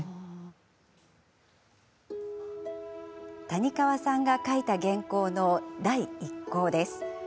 谷川さんが書いた原稿の第１稿です。